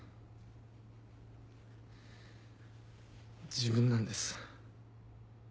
自分なんです。